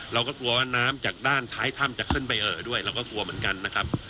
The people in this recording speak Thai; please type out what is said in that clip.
เราก็กลัวว่าน้ำจากด้านท้ายถ้ำจะขึ้นไปเอ่อด้วยเราก็กลัวเหมือนกันนะครับ